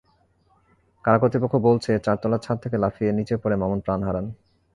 কারা কর্তৃপক্ষ বলছে, চারতলার ছাদ থেকে লাফিয়ে নিচে পড়ে মামুন প্রাণ হারান।